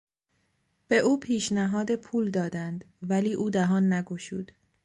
به او پیشنهاد پول دادند ولی او دهان نگشود.